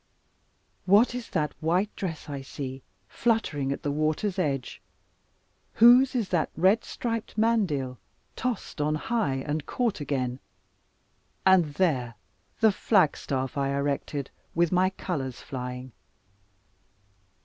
What is that white dress I see fluttering at the water's edge? Whose is that red striped mandile tossed on high and caught again? And there the flag staff I erected, with my colours flying!